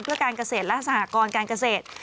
เพื่อการเกษตรและสหกรการเกษตร